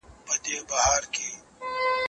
نن به سر در نذرانه کړم سبا بیرته ګیله من یم